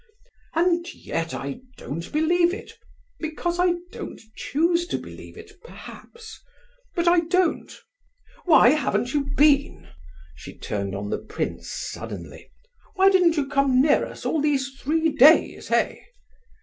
And yet I don't believe it. Because I don't choose to believe it, perhaps; but I don't. Why haven't you been?" she turned on the prince suddenly. "Why didn't you come near us all these three days, eh?"